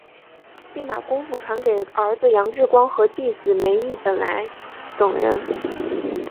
并把功夫传给儿子杨志光和弟子梅益本等人。